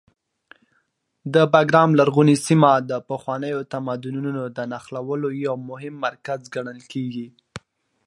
د بګرام لرغونې سیمه د پخوانیو تمدنونو د نښلولو یو مهم مرکز ګڼل کېږي.